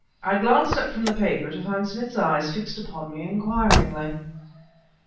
I glanced up from the paper, to find Smith's eyes fixed upon me, inquiringly.